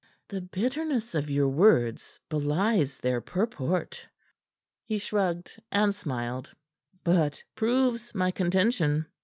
"The bitterness of your words belies their purport." He shrugged and smiled. "But proves my contention.